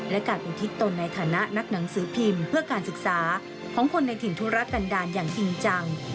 และการอุทิศตนในฐานะนักหนังสือพิมพ์เพื่อการศึกษาของคนในถิ่นธุรกันดาลอย่างจริงจัง